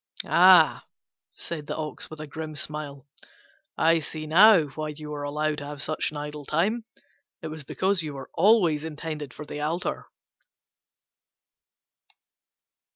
"Ah," said the Ox, with a grim smile, "I see now why you were allowed to have such an idle time: it was because you were always intended for the altar."